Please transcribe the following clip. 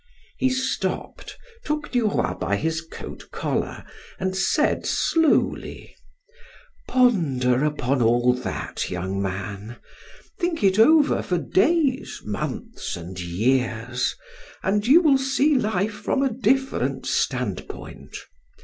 He stopped, took Duroy by his coat collar and said slowly: "Ponder upon all that, young man; think it over for days, months, and years, and you will see life from a different standpoint.